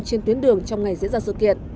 trên tuyến đường trong ngày diễn ra sự kiện